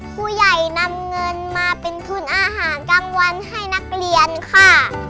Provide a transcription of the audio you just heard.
ผู้ใหญ่นำเงินมาเป็นทุนอาหารกลางวันให้นักเรียนค่ะ